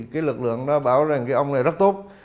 cái lực lượng nó bảo rằng cái ông này rất tốt